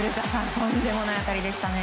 とんでもない当たりでしたね。